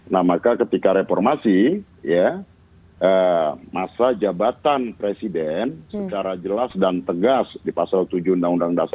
nah maka ketika reformasi ya masa jabatan presiden secara jelas dan tegas di pasal tujuh undang undang dasar